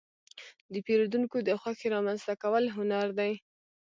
د پیرودونکو د خوښې رامنځته کول هنر دی.